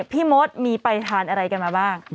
พี่มดมีไปทานอะไรกันมาบ้าง